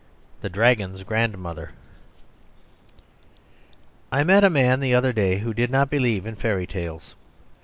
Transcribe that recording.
XVI. The Dragon's Grandmother I met a man the other day who did not believe in fairy tales.